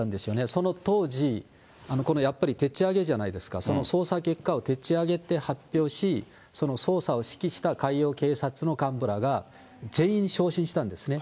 その当時、このやっぱりでっちあげじゃないですか、その捜査結果をでっちあげて発表し、その捜査を指揮した海洋警察の幹部らが、全員昇進したんですね。